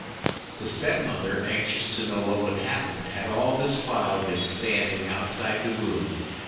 The step mother, anxious to know what would happen, had all this while been standing outside the room.